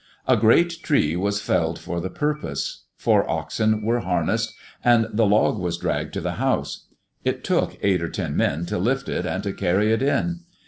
A great tree was felled for the purpose; four oxen were harnessed; and the log was dragged to the house. It took eight or ten men to lift it, and to carry it in.